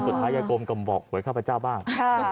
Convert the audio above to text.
สุดท้ายยายกลมก็บอกหวยข้าพเจ้าบ้าง